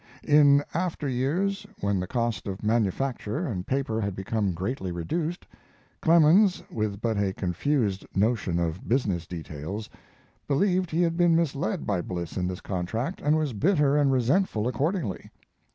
In after years, when the cost of manufacture and paper had become greatly reduced, Clemens, with but a confused notion of business details, believed he had been misled by Bliss in this contract, and was bitter and resentful accordingly.